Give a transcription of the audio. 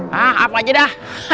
hah apa aja dah